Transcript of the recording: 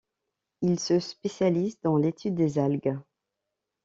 Il se spécialise dans l’étude des algues.